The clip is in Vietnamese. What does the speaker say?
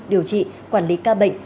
điều trị quản lý ca bệnh